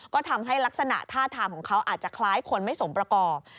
ก็ทำให้ลักษณะท่าทางของเขาอาจจะคล้ายคนไม่สมประกอบ